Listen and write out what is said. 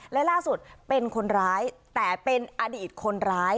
และล่าสุดเป็นคนร้ายแต่เป็นอดีตคนร้าย